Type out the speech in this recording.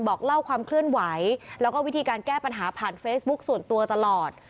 บอกเล่าความเคลื่อนไหวแล้วก็วิธีการแก้ปัญหาผ่านเฟซบุ๊คส่วนตัวตลอด